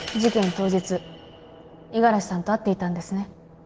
当日五十嵐さんと会っていたんですね？